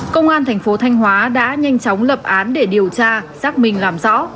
công an thành phố thanh hóa đã nhanh chóng lập án để điều tra xác minh làm rõ